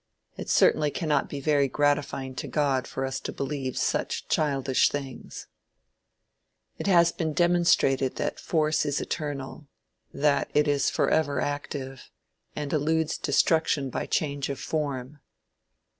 It certainly cannot be very gratifying to God for us to believe such childish things. It has been demonstrated that force is eternal; that it is forever active, and eludes destruction by change of form.